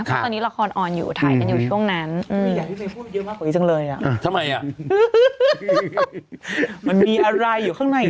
เพราะตอนนี้ละครอ่อนอยู่ถ่ายกันอยู่ช่วงนั้น